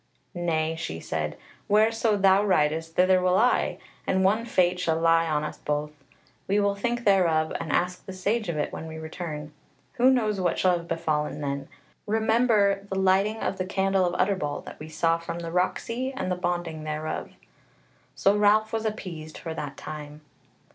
"Nay," she said, "whereso thou ridest thither will I, and one fate shall lie on us both. We will think thereof and ask the Sage of it when we return. Who knows what shall have befallen then? Remember the lighting of the candle of Utterbol that we saw from the Rock sea, and the boding thereof." So Ralph was appeased for that time.